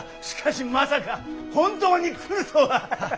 しかしまさか本当に来るとは。